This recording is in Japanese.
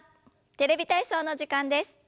「テレビ体操」の時間です。